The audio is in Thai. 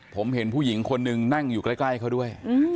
ผมเห็นผู้หญิงคนหนึ่งนั่งอยู่ใกล้เขาด้วย